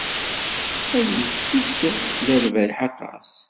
Ad d-yessis lerbayeḥ aṭas.